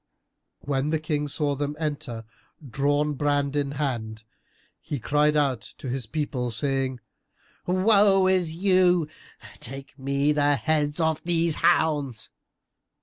When the King saw them enter, drawn brand in hand, he cried out to his people, saying "Woe to you! Take me the heads of these hounds!"